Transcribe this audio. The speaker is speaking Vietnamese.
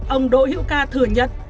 ông đỗ hiệu ca thừa nhận